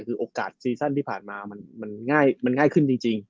คือโอกาสซีซั่นที่ผ่านมามันง่ายขึ้นจริง